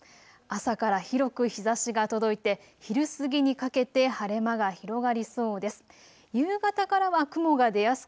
朝から広く日ざしが届いて昼過ぎにかけて晴れ間が広がりそうです。